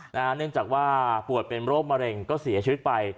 เนื่องจากว่าปวดเป็นโรคมะเร็งก็เสียชีวิตไป